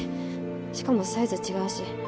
しかもサイズ違うし。